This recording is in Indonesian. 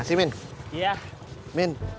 orang orang jarak gemooh